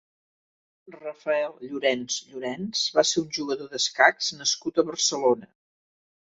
Rafael Llorens Llorens va ser un jugador d'escacs nascut a Barcelona.